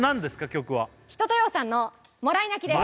曲は一青窈さんの「もらい泣き」です